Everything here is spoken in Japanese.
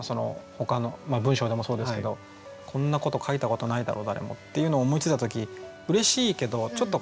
ほかの文章でもそうですけどこんなこと書いたことないだろう誰もっていうのを思いついた時通じるかなって。